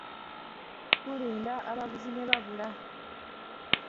Tulinda abaguzi ne babula.